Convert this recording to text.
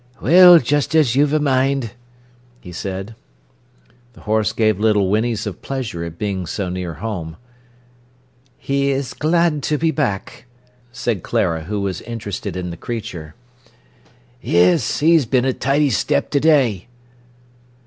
"Well, just as you've a mind," he said. The horse gave little whinneys of pleasure at being so near home. "He is glad to be back," said Clara, who was interested in the creature. "Yes—'e's been a tidy step to day."